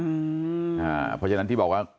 เพราะฉะนั้นที่บอกว่า